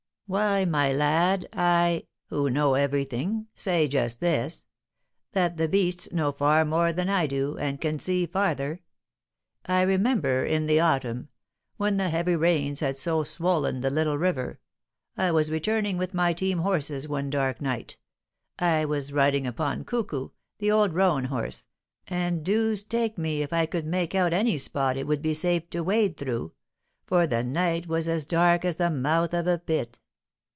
"Why, my lad, I, 'who know everything,' say just this, that the beasts know far more than I do, and can see farther. I remember, in the autumn, when the heavy rains had so swollen the little river, I was returning with my team horses one dark night I was riding upon Cuckoo, the old roan horse, and deuce take me if I could make out any spot it would be safe to wade through, for the night was as dark as the mouth of a pit.